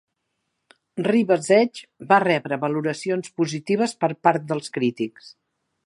"River's Edge" va rebre valoracions positives per part dels crítics.